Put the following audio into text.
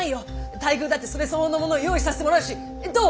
待遇だってそれ相応のものを用意させてもらうしどう？